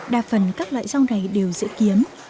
đa phần các loại rau này đều dễ kiến